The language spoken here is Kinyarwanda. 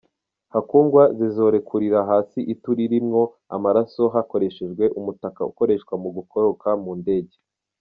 Hakugwa, zizorekurira hasi itu ririmwo amaraso hakoreshejwe umutaka ukoreshwa mu gukoroka mu ndege.